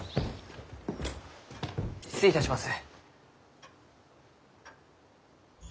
失礼いたします。